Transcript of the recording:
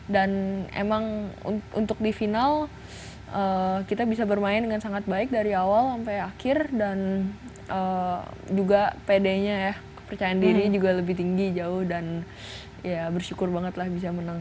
dan emang untuk di final kita bisa bermain dengan sangat baik dari awal sampai akhir dan juga pd nya ya kepercayaan diri juga lebih tinggi jauh dan ya bersyukur banget lah bisa menang